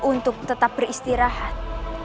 untuk tetap beristirahat